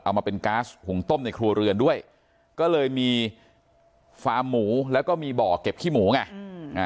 มาเป็นก๊าซหุงต้มในครัวเรือนด้วยก็เลยมีฟาร์มหมูแล้วก็มีบ่อเก็บขี้หมูไง